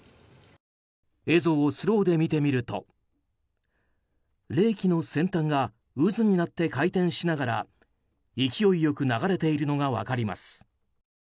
映像をスローで見てみると冷気の先端が渦になって回転しながら勢いよく流れているのが分かります。